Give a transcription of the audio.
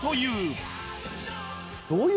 はい。